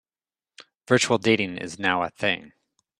Virtual dating is now a thing.